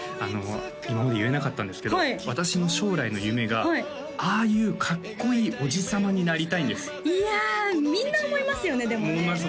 今まで言えなかったんですけど私の将来の夢がああいうかっこいいおじさまになりたいんですいやみんな思いますよねでもね思います